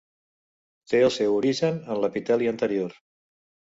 Té el seu origen en l'epiteli anterior.